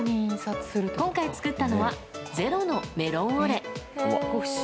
今回作ったのは「ｚｅｒｏ」のメロンオレ。